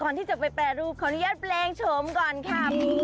ก่อนที่จะไปแปรรูปขออนุญาตแปลงโฉมก่อนค่ะ